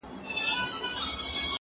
زه پرون پلان جوړوم وم